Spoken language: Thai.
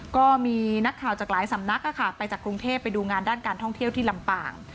ก็มีนักข่าวจากหลายสำนักไปจากกรุงเทพไปดูงานด้านการท่องเที่ยวที่ลำปาง